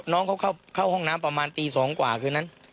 น้องเขาเข้าห้องน้ำประมาณตี๒กว่าคืนนั้น